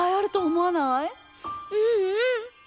うんうん！